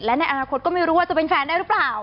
และในอนาคตก็ไม่รู้ว่าจะเป็นแฟนได้หรือเปล่า